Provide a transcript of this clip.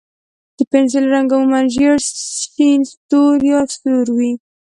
د پنسل رنګ عموماً ژېړ، شین، تور، یا سور وي.